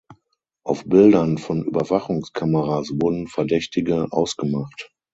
Auf Bildern von Überwachungskameras wurden Verdächtige ausgemacht.